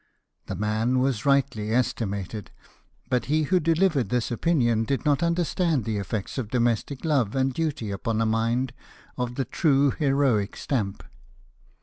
The man was rightly estimated ; but he who delivered this opinion did not understand the effect of domestic love and duty upon a mind of the true heroic stamp.